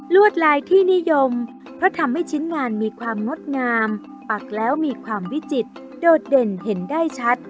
วดลายที่นิยมเพราะทำให้ชิ้นงานมีความงดงามปักแล้วมีความวิจิตโดดเด่นเห็นได้ชัด